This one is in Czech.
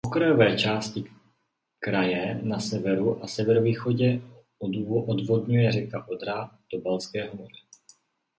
Okrajové části kraje na severu a severovýchodě odvodňuje řeka Odra do Baltského moře.